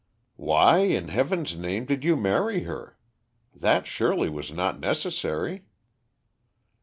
"Why, in Heaven's name, did you marry her? That, surely, was not necessary."